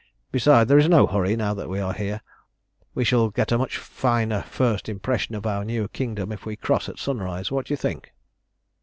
Besides, there is no hurry now that we are here, and we shall get a much finer first impression of our new kingdom if we cross at sunrise. What do you think?"